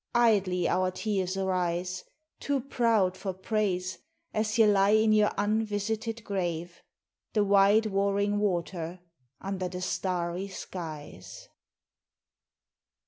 Idly our tears arise; Too proud for praise as ye lie in your unvisited grave, The wide warring water, under the starry skies.